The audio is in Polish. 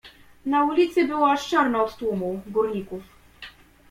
"Na ulicy było aż czarno od tłumu, górników."